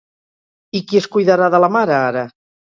I qui és cuidarà de la mare ara?